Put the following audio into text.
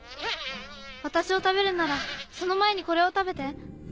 私を食べるならその前にこれを食べて。